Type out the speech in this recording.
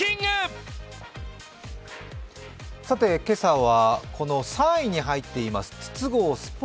今朝はこの３位に入っています